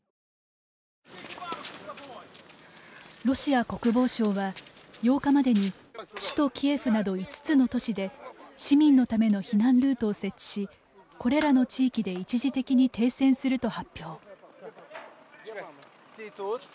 ロシア国防省は８日までに首都キエフなど５つの都市で市民のための避難ルートを設置しこれらの地域で一時的に停戦すると発表。